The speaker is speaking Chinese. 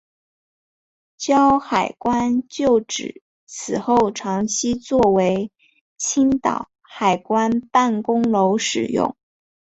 胶海关旧址此后长期作为青岛海关办公楼使用。